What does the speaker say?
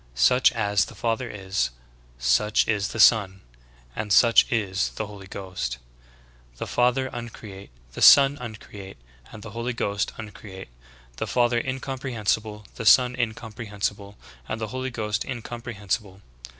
Such as the Father is, such is the Son; and such is the Holy Ghost. The Father un create, the Son uncreate, and the Holy Ghost uncreate. The Father incomprehensible, the Son incomprehensible and the Holy Ghost incomprehensible.